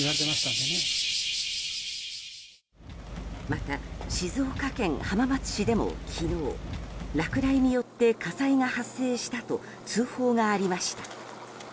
また、静岡県浜松市でも昨日落雷によって火災が発生したと通報がありました。